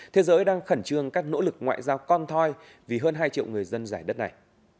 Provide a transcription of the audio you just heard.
thế giới đang khẩn trương các nỗ lực ngoại giao con thoi vì hơn hai triệu người dân giải đất này